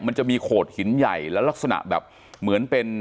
มันจะมีโขดหินใหญ่แล้วลักษณะแบบเหมือนเป็น